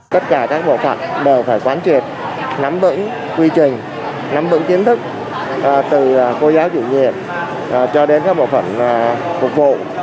tất cả các bộ phận đều phải quán triệt nắm vững quy trình nắm vững kiến thức từ cô giáo chủ nhiệm cho đến các bộ phận phục vụ